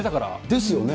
ですよね。